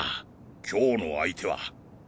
今日の相手は。